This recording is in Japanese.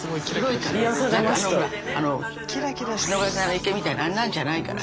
不忍池みたいなあんなんじゃないから。